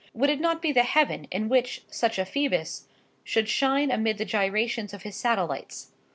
Would it not be the heaven in which such a Phoebus should shine amidst the gyrations of his satellites?